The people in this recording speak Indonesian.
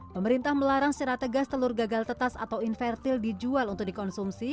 pemerintah melarang secara tegas telur gagal tetas atau invertil dijual untuk dikonsumsi